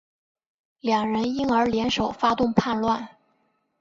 两人因而联手发动叛乱。